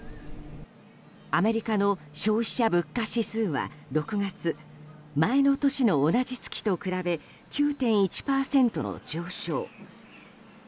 アメリカの消費者物価指数は６月前の年の同じ月と比べ９．１％の上昇。